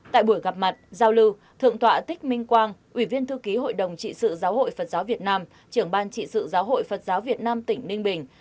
tại buổi gặp mặt giao lưu thượng tọa tích minh quang ủy viên thư ký hội đồng trị sự giáo hội phật giáo việt nam trưởng ban trị sự giáo hội phật giáo việt nam tỉnh ninh bình